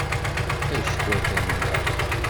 Acku atan da.